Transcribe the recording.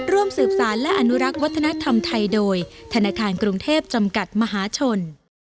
ร่วมสืบสารและอนุรักษ์วัฒนธรรมไทยโดยธนาคารกรุงเทพจำกัดมหาชน